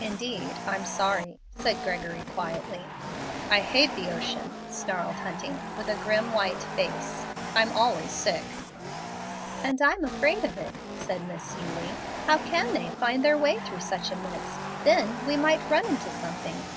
"Indeed! I'm sorry," said Gregory, quietly. "I hate the ocean," snarled Hunting, with a grim, white face; "I'm always sick." "And I'm afraid of it," said Miss Eulie. "How can they find their way through such a mist? Then, we might run into something."